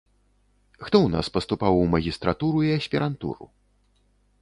Хто ў нас паступаў у магістратуру і аспірантуру?